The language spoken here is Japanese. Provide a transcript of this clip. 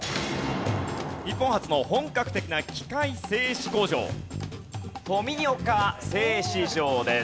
日本初の本格的な機械製し工場富岡製し場です。